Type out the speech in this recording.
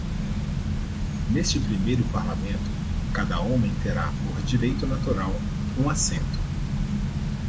Neste primeiro parlamento, cada homem terá, por direito natural, um assento.